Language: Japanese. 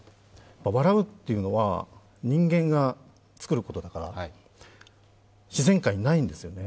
笑うっていうのは人間が作ることだから自然界にないんですよね、